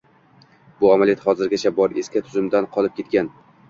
Bu amaliyot hozirgacha bor, eski tuzumdan qolib ketgan.